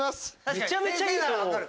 めちゃめちゃいいと思う。